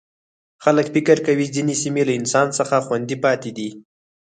خلک فکر کوي ځینې سیمې له انسان څخه خوندي پاتې دي.